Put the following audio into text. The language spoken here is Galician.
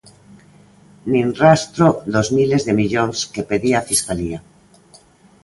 Nin rastro dos miles de millóns que pedía a Fiscalía.